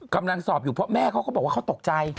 กำลังสอบอยู่เพราะแม่เขาก็บอกว่าเขาตกใจ